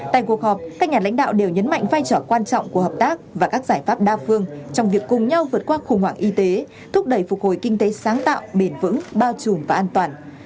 tại cuộc họp các nhà lãnh đạo đều nhấn mạnh vai trò quan trọng của hợp tác và các giải pháp đa phương trong việc cùng nhau vượt qua khủng hoảng y tế thúc đẩy phục hồi kinh tế sáng tạo bền vững bao trùm và an toàn